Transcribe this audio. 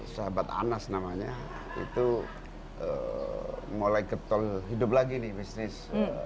sahabat anas namanya itu mulai ketol hidup lagi nih bisnis